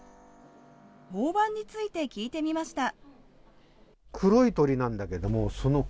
オオバンについて聞いてみました。